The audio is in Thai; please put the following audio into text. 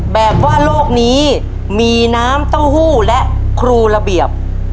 แบบว่าโลกนี้มีน้ำเต้าหู้และครูระเบียบ